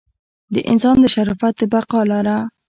د انسان د شرافت د بقا لاره.